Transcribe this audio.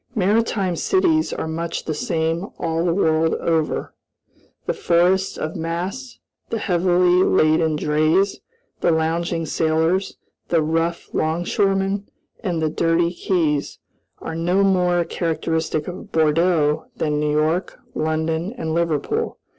Maritime cities are much the same all the world over. The forests of masts, the heavily laden drays, the lounging sailors, the rough 'longshoremen, and the dirty quays, are no more characteristic of Bordeaux than New York, London, and Liverpool.